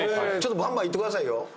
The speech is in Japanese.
バンバンいってくださいよ。